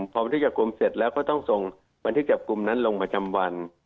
พอวันที่จับกลุ่มเสร็จแล้วก็ต้องส่งวันที่จับกลุ่มนั้นลงประจำวัน